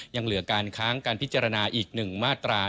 ยังเหลือการค้างการพิจารณาอีก๑มาตรา